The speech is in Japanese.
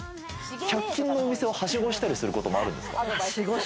１００均のお店をはしごしたりすることもあるんですか？